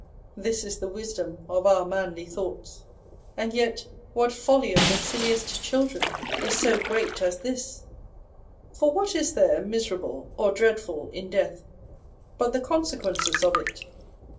^' This is the wisdom of our manly tliougiits. And ,(j^ii. yet what folly of the siUiest children is so great as ,vK«nhis?> " For what is there miserable or dreadful in death, f but the consequences of it?